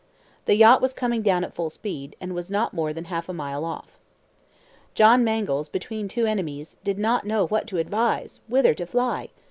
The yacht was coming down at full speed, and was not more than half a mile off. John Mangles, between two enemies, did not know what to advise, whither to fly!